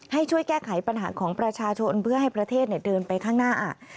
ให้ช่วยแก้ไขปัญหาของประชาชนเพื่อให้ประเทศเดินไปข้างหน้า